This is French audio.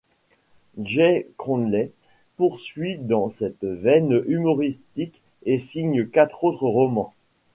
Jay Cronley poursuit dans cette veine humoristique et signe quatre autres romans.